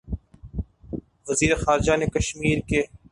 وزیر خارجہ نے کشمیر کے